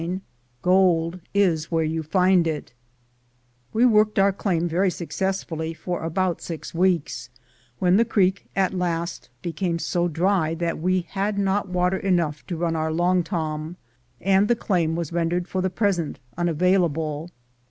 CHAPTER IX GOLD IS WHERE YOU FIND IT WE worked our claim very successfully for about six weeks, when the creek at last became so dry that we had not water enough to run our long torn, and the claim was rendered for the present unavailable.